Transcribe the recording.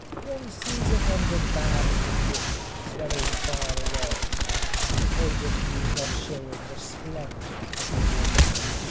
One sees it under bad conditions, very far away, the point of view not showing the splendour of the water.